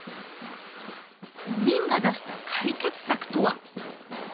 ４人が出した解決策とは。